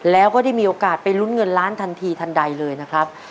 แล้วก็ได้มีโอกาสไปลุ้นเงินล้านทันทีทันใดเลยนะครับ